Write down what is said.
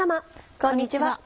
こんにちは。